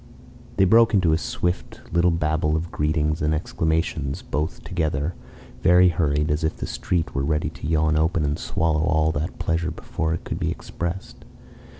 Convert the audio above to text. They broke into a swift little babble of greetings and exclamations both together, very hurried, as if the street were ready to yawn open and swallow all that pleasure before it could be expressed.